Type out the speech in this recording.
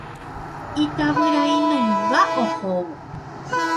Itavyrainunga ohóvo.